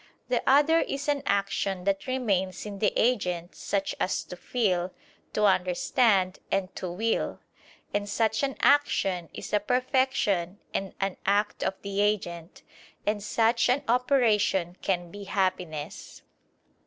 The other is an action that remains in the agent, such as to feel, to understand, and to will: and such an action is a perfection and an act of the agent. And such an operation can be happiness.